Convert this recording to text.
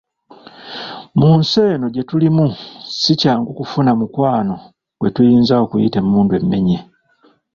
Mu nsi eno gye tulimu si kyangu kufuna mukwano gwe tuyinza okuyita, "emmundu emmenye"